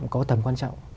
có tầm quan trọng